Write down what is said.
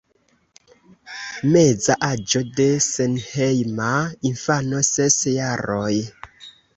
Meza aĝo de senhejma infano: ses jaroj.